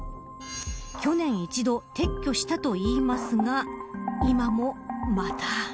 去年一度撤去したといいますが今もまた。